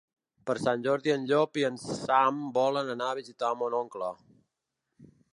Per Sant Jordi en Llop i en Sam volen anar a visitar mon oncle.